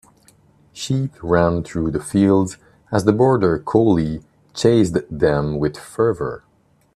Sheep ran through the fields as the border collie chased them with fervor.